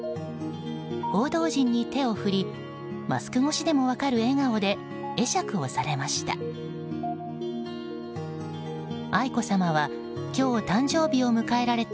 報道陣に手を振りマスク越しでも分かる笑顔で会釈をされました。